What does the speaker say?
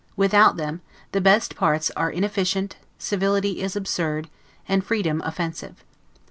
Without them, the best parts are inefficient, civility is absurd, and freedom offensive.